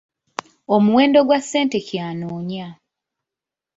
Omuwendo gwa ssente ky'anoonya.